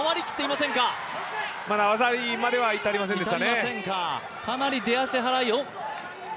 まだ技ありまでは至りませんでしたね。